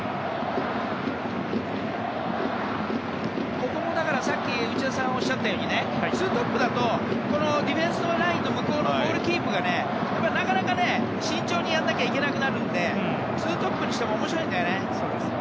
ここも内田さんがさっきおっしゃったように２トップだとディフェンスラインの向こうのボールキープが慎重にやらないといけなくなるので２トップにしても面白いんだよね。